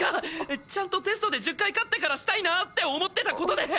ちゃんとテストで１０回勝ってからしたいなって思ってた事で。